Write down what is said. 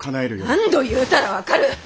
何度言うたら分かる！